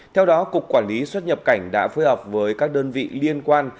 theo đó cục quản lý xuất nhập cảnh đã phối hợp với các đơn vị liên quan